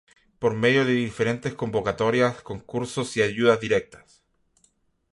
Por medio de diferentes convocatorias, concursos y ayudas directas.